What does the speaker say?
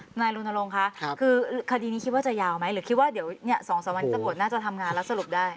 ธนายรุณลงค่ะคือคดีนี้คิดว่าจะยาวไหมหรือคิดว่าเดี๋ยวเนี่ยสองสามวันที่สะพดน่าจะทำงานแล้วสรุปได้